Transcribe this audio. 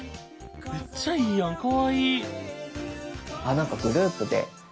めっちゃいいやんかわいい。